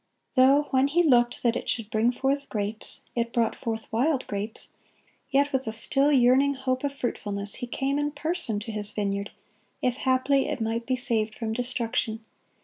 (15) Though when He "looked that it should bring forth grapes, it brought forth wild grapes,"(16) yet with a still yearning hope of fruitfulness He came in person to His vineyard, if haply it might be saved from destruction.